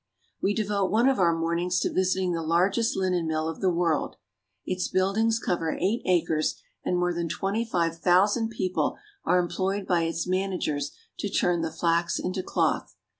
We devote one of our mornings to visiting the largest linen mill of the world. Its buildings cover eight acres, and more than twenty five thousand people are employed by its managers to turn the flax into cloth.